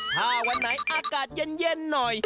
ถ้าวันไหนอากาศเย็นหน่อย